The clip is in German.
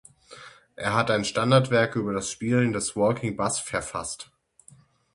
Er hat ein Standardwerk über das Spielen des Walking Bass verfasst.